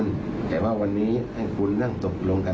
และก็ไม่ได้ยัดเยียดให้ทางครูส้มเซ็นสัญญา